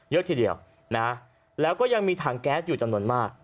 เยอะทีเดียวนะแล้วก็ยังมีถังแก๊สอยู่จำนวนมาก